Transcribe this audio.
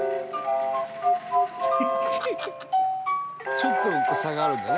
「ちょっと差があるんだね